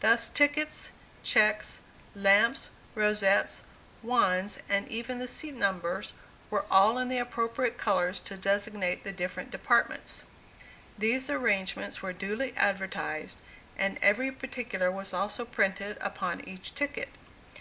Thus, tickets, checks, lamps, rosettes, wands, and even the seat numbers were all in the appropriate colors to designate the different departments. These arrangements were duly advertised, and every particular was also printed upon each ticket.